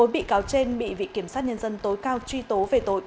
bốn bị cáo trên bị vị kiểm sát nhân dân tối cao truy tố về tội